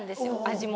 味も。